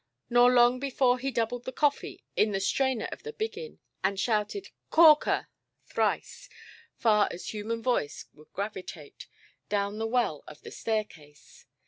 Nor long before he doubled the coffee in the strainer of the biggin, and shouted "Corker"! thrice, far as human voice would gravitate, down the well of the staircase.